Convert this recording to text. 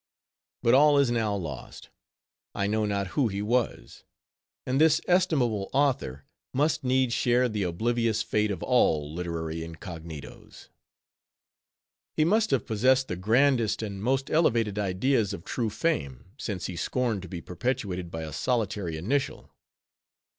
But all is now lost; I know not who he was; and this estimable author must needs share the oblivious fate of all literary incognitos. He must have possessed the grandest and most elevated ideas of true fame, since he scorned to be perpetuated by a solitary initial.